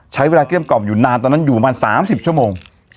ใช้เวลาเกลี้ยมกล่อมหยุดนานตอนนั้นอยู่มาสามสิบชั่วโมง